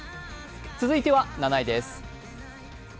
続いては７位です。